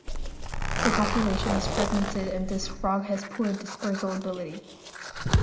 The population is fragmented and this frog has poor dispersal ability.